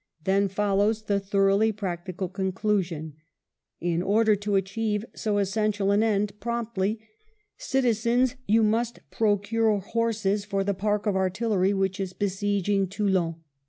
Then follows the thoroughly practical conclusion : "In order to achieve so essential an end promptly, citizens, you must procure horses for the 32 WELLINGTON park of artillery which is besieging Toulon."